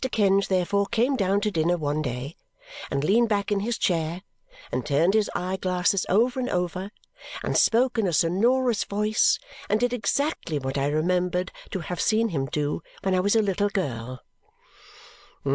Kenge, therefore, came down to dinner one day, and leaned back in his chair, and turned his eye glasses over and over, and spoke in a sonorous voice, and did exactly what I remembered to have seen him do when I was a little girl.